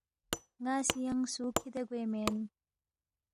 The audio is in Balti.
ن٘ا سی ینگ سُو کِھدے گوے مین